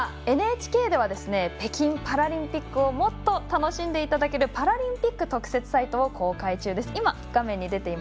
ＮＨＫでは北京パラリンピックをもっと楽しんでいただけるパラリンピック特設サイトを公開中です。